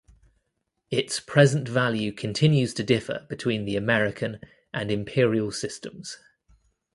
Its present value continues to differ between the American and imperial systems.